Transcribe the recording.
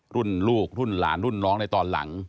รุ่นลูกรุ่นหลานรุ่นน้องในตอนหลัง